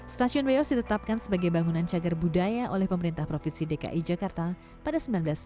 stasiun weos ditetapkan sebagai bangunan cagar budaya oleh pemerintah provinsi dki jakarta pada seribu sembilan ratus sembilan puluh